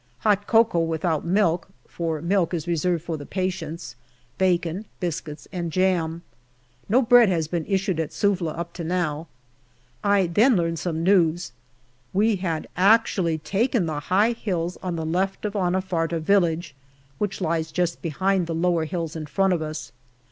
Hot cocoa, without milk, for milk is reserved for the patients ; bacon, biscuits, and jam. No bread has been issued at Suvla up to now. I then learn some news. We had actually taken the high hills on the left of Anafarta Village, which lies just behind the lower hills in front of us.